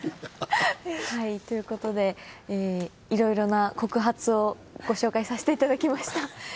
はいということでいろいろな告発をご紹介させていただきました。